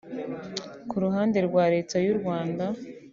Ku ruhande rwa Leta y’u Rwanda